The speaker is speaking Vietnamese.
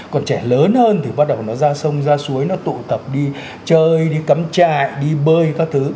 còn trẻ lớn hơn thì bắt đầu nó ra sông ra suối nó tụ tập đi chơi đi cắm chai đi bơi các thứ